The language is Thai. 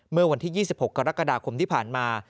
เมื่อวันที่๒๖กรกฎาคมที่ผ่านมา